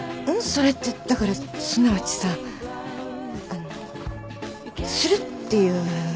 それってだからすなわちさあのうするっていう。